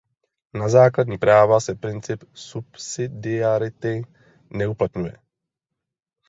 Na základní práva se princip subsidiarity neuplatňuje.